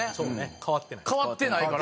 変わってないから。